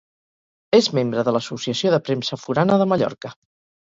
És membre de l'Associació de Premsa Forana de Mallorca.